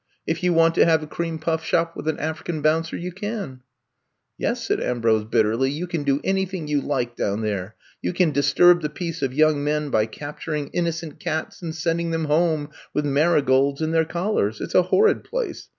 If you want to have a cream puff shop with an African bouncer, you can. '^ Yes,'' said Ambrose bitterly, *^you can do anything you like down there. You can disturb the peace of young men by captur ing innocent cats and sending them home with marigolds in their collars. It ^s a horrid place.